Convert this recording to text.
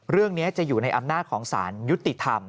เรื่องนี้จะอยู่ในอำนาจของสารยุติธรรม